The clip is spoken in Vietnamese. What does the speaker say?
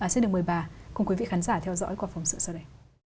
xin được mời bà cùng quý vị khán giả theo dõi qua phóng sự sau đây